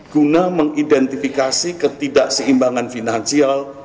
guna mengidentifikasi ketidakseimbangan finansial